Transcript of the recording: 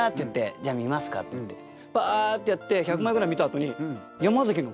「じゃあ見ますか」って言ってぱってやって１００枚ぐらい見た後に。